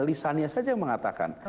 lisannya saja yang mengatakan